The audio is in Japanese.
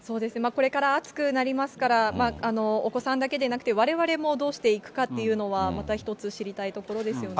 これから暑くなりますから、お子さんだけでなくてわれわれもどうしていくかというのは、また一つ知りたいところですよね。